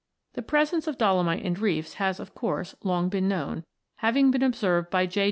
The presence of dolomite in reefs has, of course, long been known, having been observed by J.